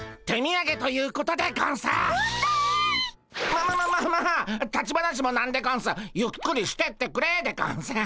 ままままあまあ立ち話もなんでゴンスゆっくりしてってくれでゴンス。